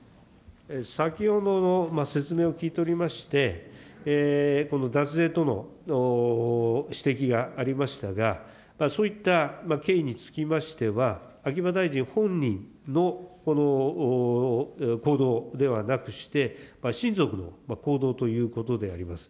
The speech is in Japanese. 先ほどの説明を聞いておりまして、この脱税との指摘がありましたが、そういった経緯につきましては、秋葉大臣本人のこの行動ではなくして、親族の行動ということであります。